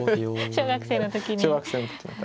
小学生の時にはい。